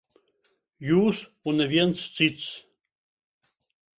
Jūs un neviens cits.